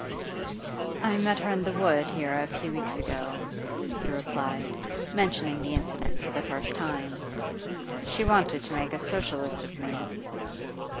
'I met her in the wood here a few weeks ago,' he replied, mentioning the incident for the first time. 'She wanted to make a Socialist of me.